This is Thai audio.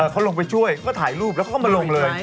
เขาลงไปช่วยก็ถ่ายรูปแล้วเขาก็มาลงเลย